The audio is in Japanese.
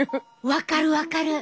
分かる分かる！